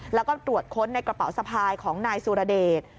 แล้วก็ตรวจค้นในกระเป๋าสะพายของนายสุรเดช